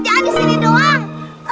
tengah kerjaan di sini doang